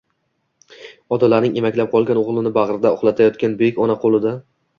Odilaning emaklab qolgan o'g'lini bag'rida uxlatayotgan buyuk ona qo'lida